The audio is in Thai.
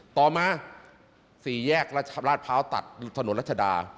ต่อมาสี่แยกราชราชภาวตัดถนนรัชดา